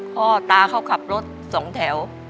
พ่อตาเขาขับรถสองแถว